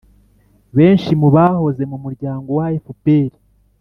benshi mu bahoze mu muryango wa fpr